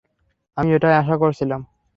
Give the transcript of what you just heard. আমি এটাই আশা করেছিলাম।